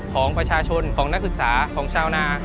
ของประชาชนของนักศึกษาของชาวนา